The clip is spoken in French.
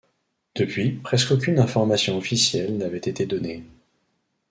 Depuis, presque aucune informations officielle n'avaient été données.